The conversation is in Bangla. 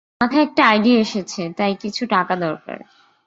মাথায় একটা আইডিয়া এসেছে, তাই কিছু টাকা দরকার।